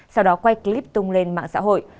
sau đó quay clip tung lên mạng xã hội